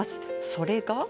それが。